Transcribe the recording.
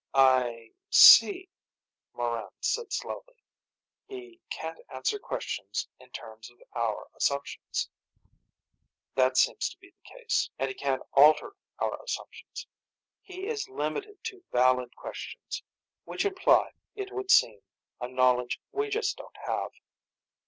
"I see," Morran said slowly. "He can't answer questions in terms of our assumptions." "That seems to be the case. And he can't alter our assumptions. He is limited to valid questions which imply, it would seem, a knowledge we just don't have."